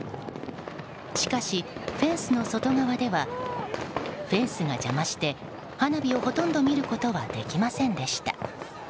しかし、フェンスの外側ではフェンスが邪魔して花火をほとんど見ることはできませんでした。